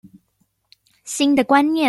新的觀念